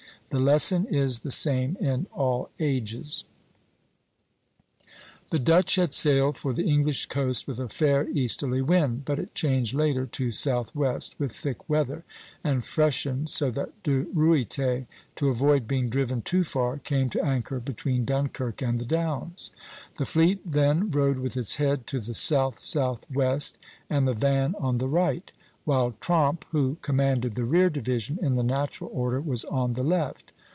The lesson is the same in all ages. [Illustration: Pl. I.] The Dutch had sailed for the English coast with a fair easterly wind, but it changed later to southwest with thick weather, and freshened, so that De Ruyter, to avoid being driven too far, came to anchor between Dunkirk and the Downs. The fleet then rode with its head to the south southwest and the van on the right; while Tromp, who commanded the rear division in the natural order, was on the left.